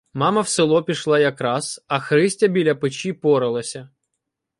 Мама в село пішла якраз, а Христя біля печі поралася.